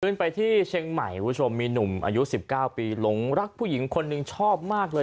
ขึ้นไปที่เชียงใหม่คุณผู้ชมมีหนุ่มอายุ๑๙ปีหลงรักผู้หญิงคนหนึ่งชอบมากเลย